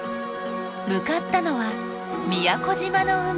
向かったのは宮古島の海。